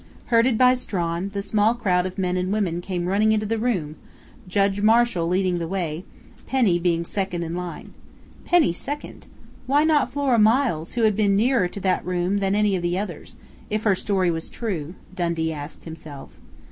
Herded by Strawn, the small crowd of men and women came running into the room, Judge Marshall leading the way, Penny being second in line. Penny second! Why not Flora Miles, who had been nearer to that room than any of the others, if her story was true Dundee asked himself.